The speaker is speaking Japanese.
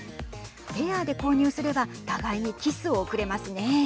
ペアで購入すれば互いにキスを送れますね。